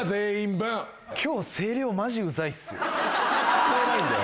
聞こえないんだよ。